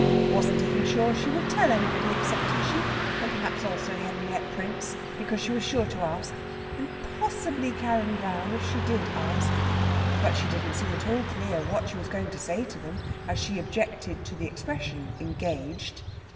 Wasn't even sure she would tell anybody, except Tishy; and perhaps also Henriette Prince, because she was sure to ask, and possibly Karen Braun if she did ask. But she didn't seem at all clear what she was going to say to them, as she objected to the expression "engaged."